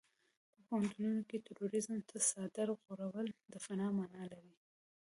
په پوهنتونونو کې تروريزم ته څادر غوړول د فناه مانا لري.